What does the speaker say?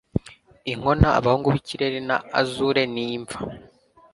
Inkona abahungu bikirere na azure ni imva